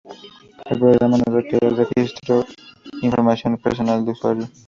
El programa no requiere de registro o información personal del usuario.